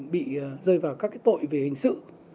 bị rơi vào các tội về hình sự